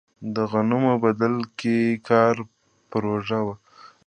د غنمو بدل کې کار پروژه وه.